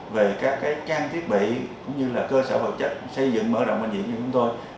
về các trang thiết bị cũng như cơ sở vật chất xây dựng mở động bệnh viện như chúng tôi